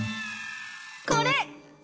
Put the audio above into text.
これ！